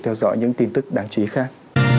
theo dõi những tin tức đáng chí khác